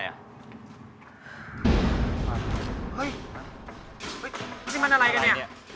เฮ้ยนี่มันอะไรกันเนี่ย